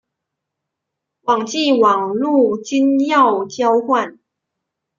网际网路金钥交换。